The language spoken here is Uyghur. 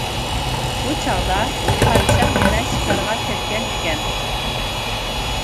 بۇ چاغدا پادىشاھ يەنە شىكارغا كەتكەن ئىكەن.